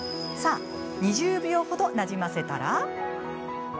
さあ、２０秒ほどなじませたら。